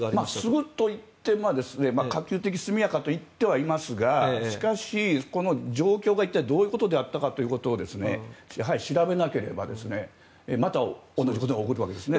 すぐといっても可及的速やかと言ってはいますがしかし、この状況が一体どういうことであったかを調べなければまた同じことが起こるわけですね。